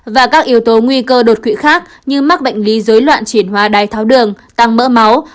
và các yếu tố nguy cơ đột quỵ khác như mắc bệnh lý dối loạn chuyển hóa đai tháo đường tăng mỡ máu